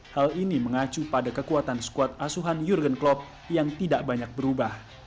hal ini mengacu pada kekuatan skuad asuhan jurgen klopp yang tidak banyak berubah